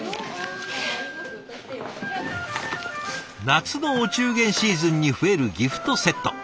夏のお中元シーズンに増えるギフトセット。